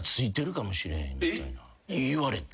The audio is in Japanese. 言われて。